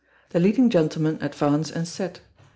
The leading gentleman advance and set.